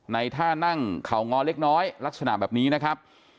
ท่านั่งเขางอเล็กน้อยลักษณะแบบนี้นะครับ